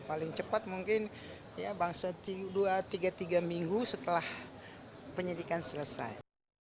paling cepat mungkin ya bangsa dua tiga minggu setelah penyidikan selesai